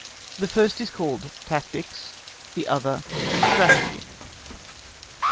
The first is called tactics, the other strategy.